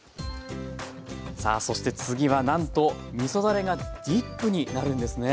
さあそして次はなんとみそだれがディップになるんですね。